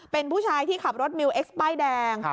เป็นผู้ชายที่ขับรถมิวเอ็กซ์ป้ายแดง